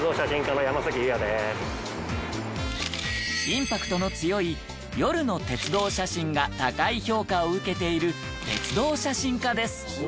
インパクトの強い夜の鉄道写真が高い評価を受けている鉄道写真家です。